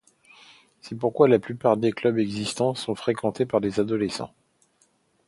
C'est pourquoi, la plupart des clubs existant sont fréquentés par des adolescents.